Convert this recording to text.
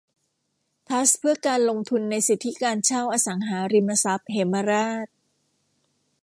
ทรัสต์เพื่อการลงทุนในสิทธิการเช่าอสังหาริมทรัพย์เหมราช